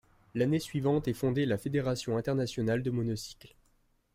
L'année suivante est fondé la Fédération internationale de monocycle.